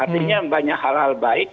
artinya banyak hal hal baik